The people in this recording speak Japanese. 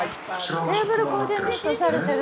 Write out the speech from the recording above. テーブルコーディネートされてる！